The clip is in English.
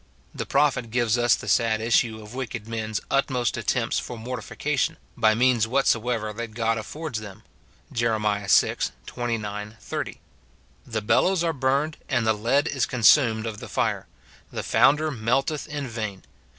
The pro phet gives us the sad issue of wicked men's utmost at tempts for mortification, by what means soever that God affords them : Jer. vi. 29, 30, " The bellows are burned, m and the lead is consumed of the fire ; the founder melt eth in vain.